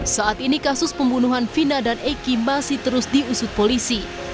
saat ini kasus pembunuhan vina dan eki masih terus diusut polisi